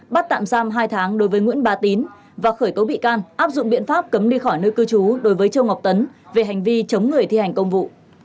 bắt tạm giam hai tháng đối với nguyễn ba tín và khởi tố bị can áp dụng biện pháp cấm đi khỏi nơi cư trú đối với châu ngọc tấn về hành vi chống người thi hành công vụ